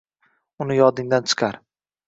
— uni yodingdan chiqar.